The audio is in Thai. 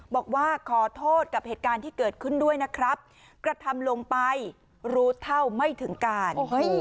บอกว่าขอโทษกับเหตุการณ์ที่เกิดขึ้นด้วยนะครับกระทำลงไปรู้เท่าไม่ถึงการ